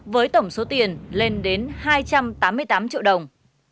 với tổng số tiền lên đến hai trăm tám mươi tám triệu đồng